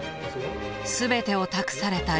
全てを託された李。